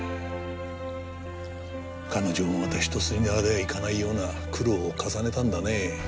彼女もまた一筋縄ではいかないような苦労を重ねたんだね。